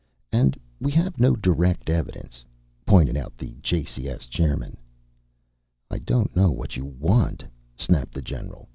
"And we have no direct evidence," pointed out the JCS chairman. "I don't know what you want," snapped the general.